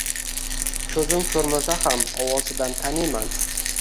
Koʻzim koʻrmasa ham ovozidan taniyman